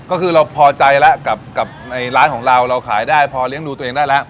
ก็คือเราพอใจแล้วกับในร้านของเราเราขายได้พอเลี้ยงดูตัวเองได้แล้ว